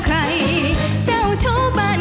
ใครเป็นคู่ควรแม่คุณ